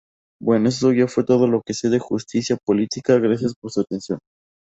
Bueno esto fue todo lo que se de justicia politica gracias por su atención..